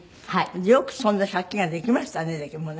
よくそんな借金ができましたねだけどもね。